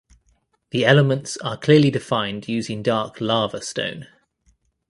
The elements are clearly defined using dark lava stone.